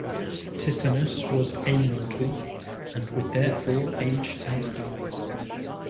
Tithonus was a mortal, and would therefore age and die.